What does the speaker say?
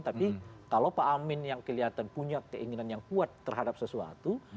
tapi kalau pak amin yang kelihatan punya keinginan yang kuat terhadap sesuatu